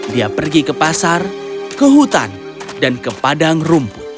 dia pergi ke pasar ke hutan dan ke padang rumput